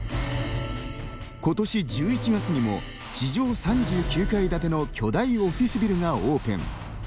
今年１１月にも地上３９階建ての巨大オフィスビルがオープン。